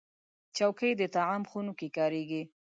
چوکۍ د طعام خونو کې کارېږي.